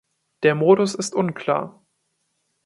Der Modus ist unklar.